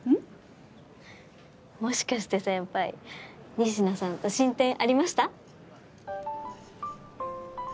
もしかして先輩仁科さんと進展ありました？